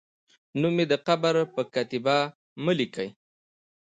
نوم مې د قبر پر کتیبه مه لیکئ